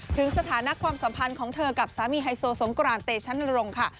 ถึงสถานะความสัมพันธ์ของเธอกับสามีไฮโซสงกรานเตชันนรงค์ค่ะ